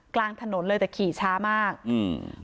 กลางถนนเลยแต่ขี่ช้ามากอืม